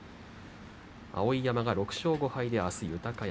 碧山が６勝５敗であす豊山。